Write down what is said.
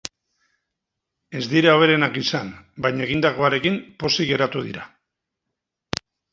Ez dira hoberenak izan, baina egindakoarekin pozik geratu dira.